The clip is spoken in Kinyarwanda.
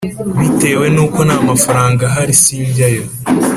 Bitewe n uko nta mafaranga ahari sinjyayo